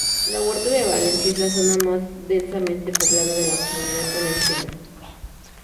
La Huerta de Valencia es la zona más densamente poblada de la Comunidad Valenciana.